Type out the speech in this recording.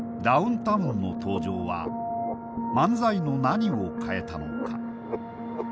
ダウンタウンの登場は漫才の何を変えたのか。